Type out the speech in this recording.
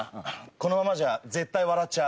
このままじゃ絶対笑っちゃう。